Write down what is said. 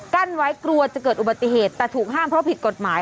กั้นไว้กลัวจะเกิดอุบัติเหตุแต่ถูกห้ามเพราะผิดกฎหมาย